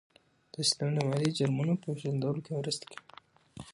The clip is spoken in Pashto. دا سیستم د مالي جرمونو په پېژندلو کې مرسته کوي.